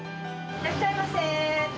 いらっしゃいませ。